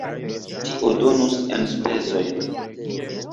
Tio donus enspezojn.